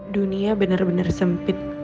dunia bener bener sempit